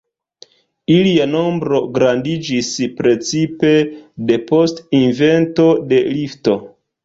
Ilia nombro grandiĝis precipe depost invento de lifto.